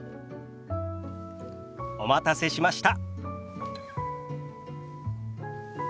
お待たせしました。